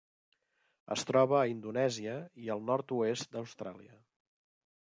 Es troba a Indonèsia i el nord-oest d'Austràlia.